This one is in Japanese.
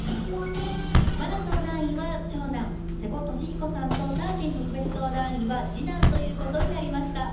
茉奈相談員は「長男」瀬古利彦さんとタージン特別相談員は「次男」ということになりました。